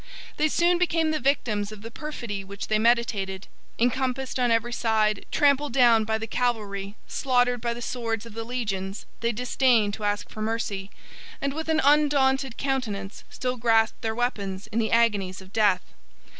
They soon became the victims of the perfidy which they meditated. Encompassed on every side, trampled down by the cavalry, slaughtered by the swords of the legions, they disdained to ask for mercy; and with an undaunted countenance, still grasped their weapons in the agonies of death.